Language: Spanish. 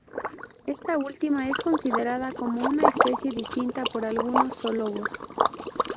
Esta última es considerada como una especie distinta por algunos zoólogos.